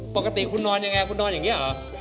ปกติคุณนอนยังไงคุณนอนอย่างนี้เหรอ